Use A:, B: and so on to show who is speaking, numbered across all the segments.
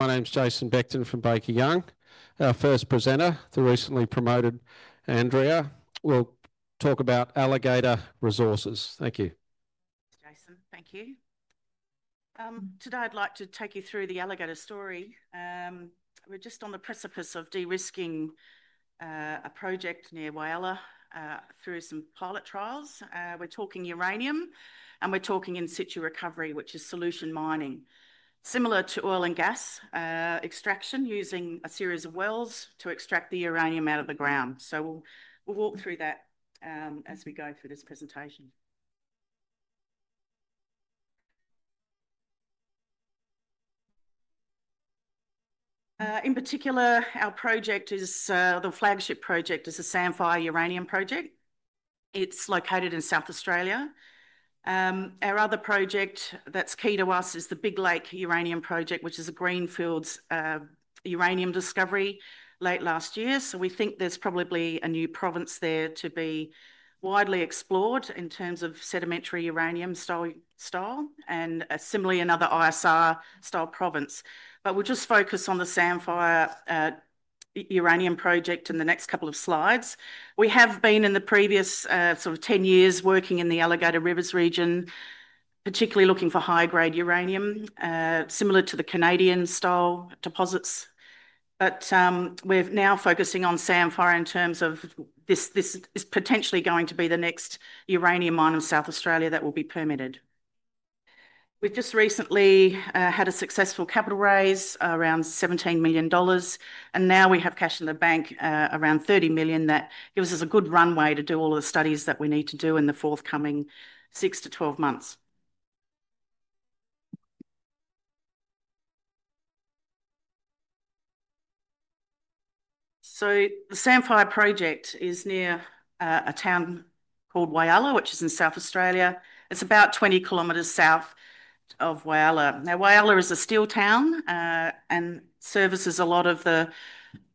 A: My name's Jason Beckton from Baker Young. Our first presenter, the recently promoted Andrea, will talk about Alligator Resources. Thank you.
B: Jason, thank you. Today, I'd like to take you through the Alligator story. We're just on the precipice of de-risking a project near Whyalla, through some pilot trials. We're talking uranium, and we're talking in situ recovery, which is solution mining, similar to oil and gas extraction, using a series of wells to extract the uranium out of the ground. We'll walk through that as we go through this presentation. In particular, our flagship project is the Samphire Uranium project. It's located in South Australia. Our other project that's key to us is the Big Lake Uranium project, which is a greenfield uranium discovery late last year. We think there's probably a new province there to be widely explored in terms of sedimentary uranium, and similarly, another ISR province. We'll just focus on the Samphire Uranium project in the next couple of slides. We have been in the previous sort of 10 years working in the Alligator Rivers region, particularly looking for high-grade uranium, similar to the Canadian deposits. We're now focusing on Samphire in terms of this is potentially going to be the next uranium mine in South Australia that will be permitted. We've just recently had a successful capital raise, around 17 million dollars, and now we have cash in the bank, around 30 million. That gives us a good runway to do all of the studies that we need to do in the forthcoming 6 to 12 months. The Samphire project is near a town called Whyalla, which is in South Australia. It's about 20 kilometers south of Whyalla. Whyalla is a steel town and services a lot of the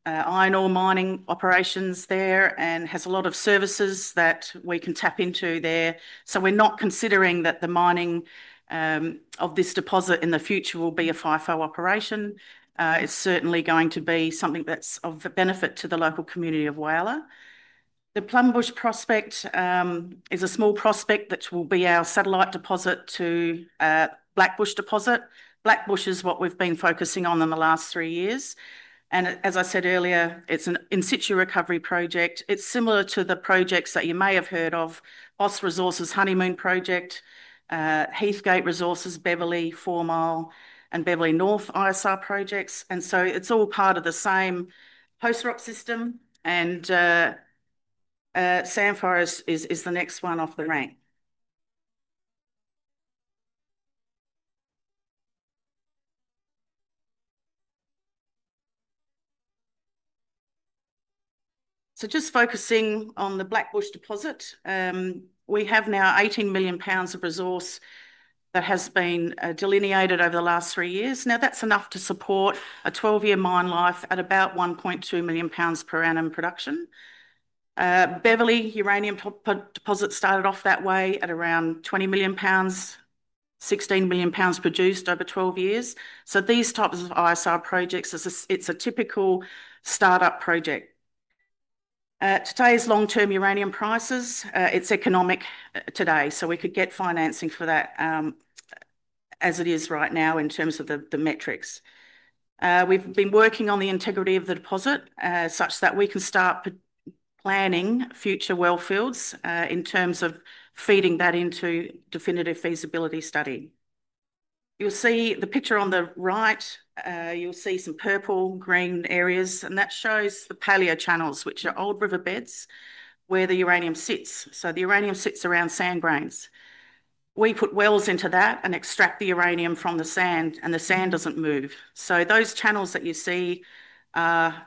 B: iron ore mining operations there and has a lot of services that we can tap into there. We're not considering that the mining of this deposit in the future will be a FIFO operation. It's certainly going to be something that's of benefit to the local community of Whyalla. The Plumbush Prospect is a small prospect that will be our satellite deposit to Blackbush Deposit. Blackbush is what we've been focusing on in the last three years. As I said earlier, it's in situ recovery project. It's similar to the projects that you may have heard of, Boss Resources' Honeymoon Project, Heathgate Resources, Beverley Four Mile and Beverley North ISR projects. It's all part of the same host rock system, and Samphire is the next one off the rank. Just focusing on the Blackbush Deposit, we have now 18 million pounds of resource that has been delineated over the last three years. That's enough to support a 12-year mine life at about 1.2 million pounds per annum production. Beverley Uranium Deposit started off that way at around 20 million pounds, 16 million pounds produced over 12 years. These types of ISR projects, it's a typical startup project. At today's long-term uranium prices, it's economic today, so we could get financing for that as it is right now in terms of the metrics. We've been working on the integrity of the deposit such that we can start planning future well fields in terms of feeding that into definitive feasibility study. You'll see the picture on the right. You'll see some purple-green areas, and that shows the Paleo-channels, which are old riverbeds where the uranium sits. The uranium sits around sand grains. We put wells into that and extract the uranium from the sand, and the sand doesn't move. Those channels that you see are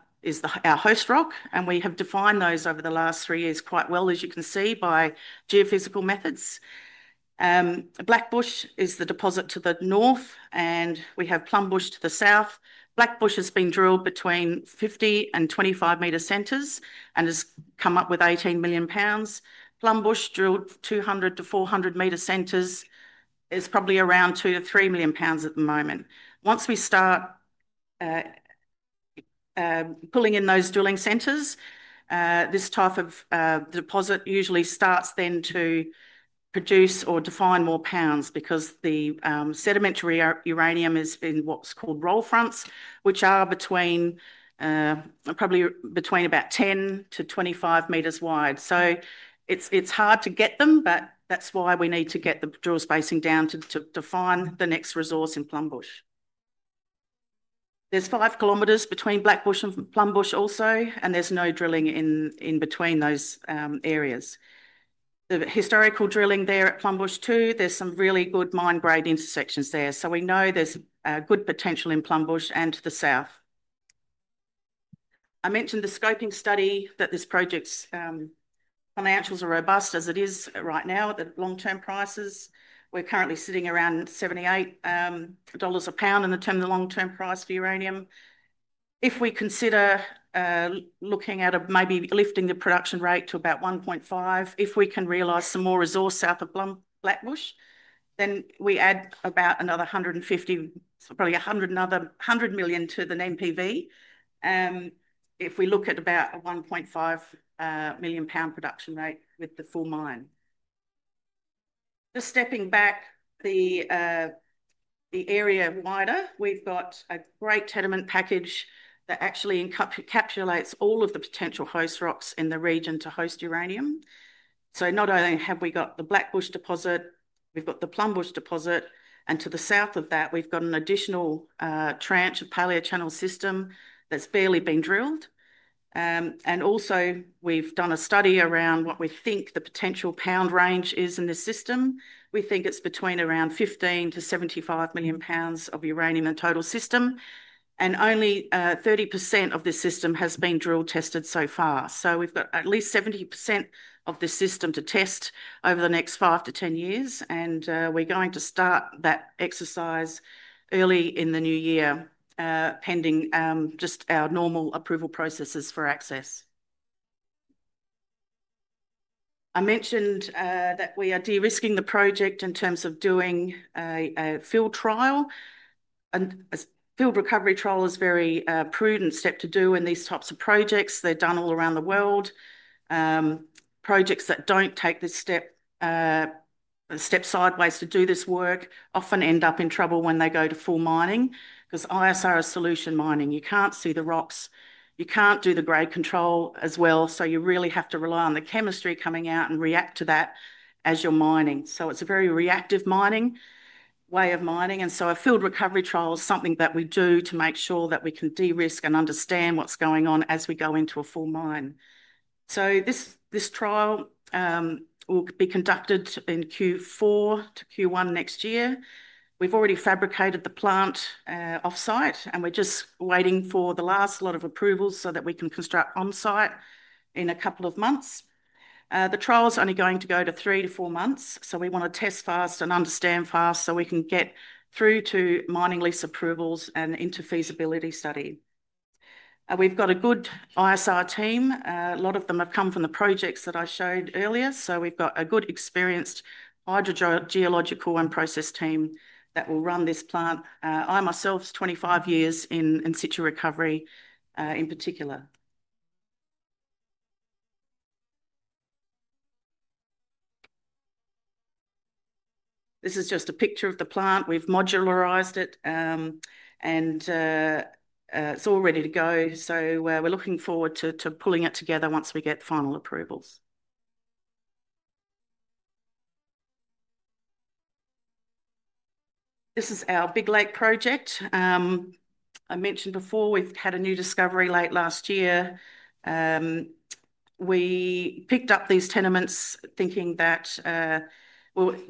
B: our host rock, and we have defined those over the last three years quite well, as you can see by geophysical methods. Blackbush is the deposit to the north, and we have Plumbush to the south. Blackbush has been drilled between 50 m and 25 m centers and has come up with 18 million pounds. Plumbush drilled 200 m to 400 m centers is probably around 2 million to 3 million pounds at the moment. Once we start pulling in those drilling centers, this type of deposit usually starts then to produce or define more pounds because the sedimentary uranium is in what's called Roll Fronts, which are probably between about 10 m to 25 m wide. It's hard to get them, but that's why we need to get the drill spacing down to define the next resource in Plumbush. There's five kilometers between Blackbush and Plumbush also, and there's no drilling in between those areas. The historical drilling there at Plumbush too, there's some really good mine-grade intersections there. We know there's good potential in Plumbush and to the south. I mentioned the scoping study, that this project's financials are robust as it is right now, the long-term prices. We're currently sitting around AUD 78 a pound in the long-term price for uranium. If we consider looking at maybe lifting the production rate to about 1.5, if we can realize some more resource south of Blackbush, then we add about another 150 million, probably 100 million to the NPV if we look at about a 1.5 million pound production rate with the full mine. Just stepping back, the area wider, we've got a great tenement package that actually encapsulates all of the potential host rocks in the region to host uranium. Not only have we got the Blackbush Deposit, we've got the Plumbush Deposit, and to the south of that, we've got an additional tranche of paleo-channel system that's barely been drilled. We've done a study around what we think the potential pound range is in this system. We think it's between around 15 million to 75 million pounds of uranium in the total system, and only 30% of this system has been drill-tested so far. We've got at least 70% of this system to test over the next 5 to 10 years, and we're going to start that exercise early in the new year, pending just our normal approval processes for access. I mentioned that we are de-risking the project in terms of doing a field trial. A Field Recovery Trial is a very prudent step to do in these types of projects. They're done all around the world. Projects that don't take this step sideways to do this work often end up in trouble when they go to full mining because ISR is solution mining. You can't see the rocks. You can't do the grade control as well. You really have to rely on the chemistry coming out and react to that as you're mining. It's a very reactive mining way of mining. A Field Recovery Trial is something that we do to make sure that we can de-risk and understand what's going on as we go into a full mine. This trial will be conducted in Q4 to Q1 next year. We've already fabricated the plant off-site, and we're just waiting for the last lot of approvals so that we can construct on-site in a couple of months. The trial's only going to go to three to four months. We want to test fast and understand fast so we can get through to mining lease approvals and interfeasibility study. We've got a good ISR team. A lot of them have come from the projects that I showed earlier. We've got a good experienced hydrogeological and process team that will run this plant. I myself, 25 years in in situ recovery in particular. This is just a picture of the plant. We've modularized it, and it's all ready to go. We're looking forward to pulling it together once we get final approvals. This is our Big Lake project. I mentioned before we've had a new discovery late last year. We picked up these tenements thinking that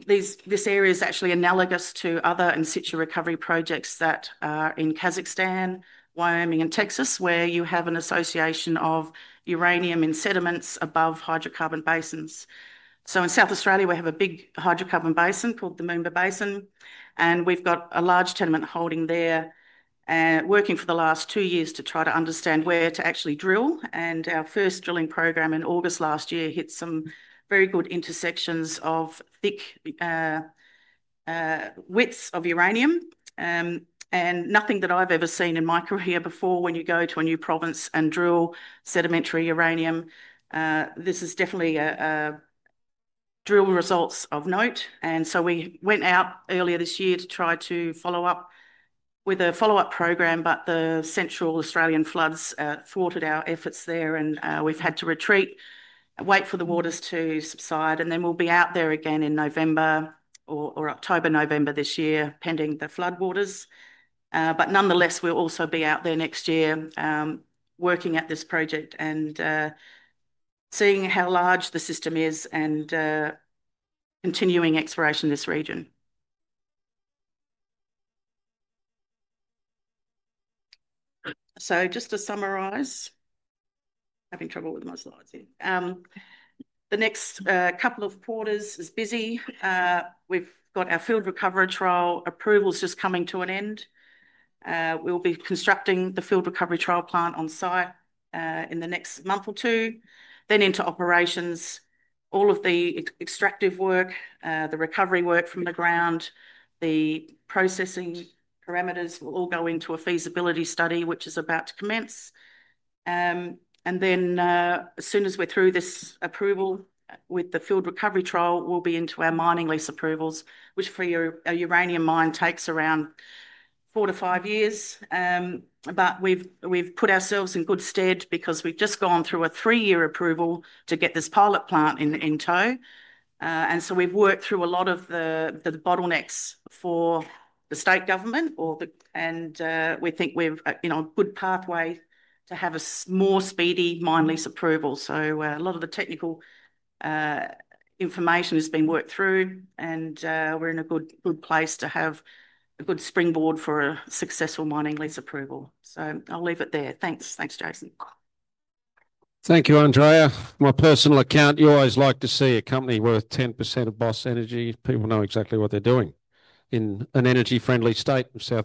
B: this area is actually analogous to other in situ recovery projects that are in Kazakhstan, Wyoming, and Texas, where you have an association of uranium in sediments above hydrocarbon basins. In South Australia, we have a big hydrocarbon basin called the Moomba Basin, and we've got a large tenement holding there, working for the last two years to try to understand where to actually drill. Our first drilling program in August last year hit some very good intersections of thick widths of uranium and nothing that I've ever seen in my career before when you go to a new province and drill sedimentary uranium. This is definitely a drill result of note. We went out earlier this year to try to follow up with a follow-up program, but the Central Australian floods thwarted our efforts there, and we've had to retreat, wait for the waters to subside, and then we'll be out there again in October or November this year, pending the flood waters. Nonetheless, we'll also be out there next year working at this project and seeing how large the system is and continuing exploration in this region. Just to summarize, having trouble with my slides here. The next couple of quarters is busy. We've got our Field Recovery Trial approvals just coming to an end. We'll be constructing the Field Recovery Trial plant on-site in the next month or two, then into operations. All of the extractive work, the recovery work from the ground, the processing parameters will all go into a feasibility study, which is about to commence. As soon as we're through this approval with the Field Recovery Trial, we'll be into our mining lease approvals, which for a uranium mine takes around four to five years. We've put ourselves in good stead because we've just gone through a three-year approval to get this pilot plant in tow. We've worked through a lot of the bottlenecks for the state government. We think we're in a good pathway to have a more speedy mine lease approval. A lot of the technical information has been worked through, and we're in a good place to have a good springboard for a successful mining lease approval. I'll leave it there. Thanks. Thanks, Jason.
A: Thank you, Andrea. My personal account, you always like to see a company worth 10% of Boss Energy. People know exactly what they're doing in an energy-friendly state and South.